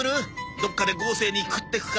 どっかで豪勢に食ってくか。